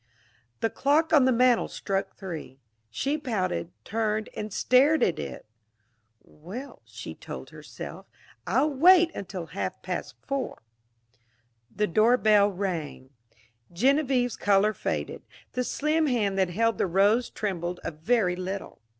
The clock on the mantel struck three. She pouted; turned and stared at it. "Well," she told herself, "I'll wait until half past four." The doorbell rang. Genevieve's color faded. The slim hand that held the rose trembled a very little.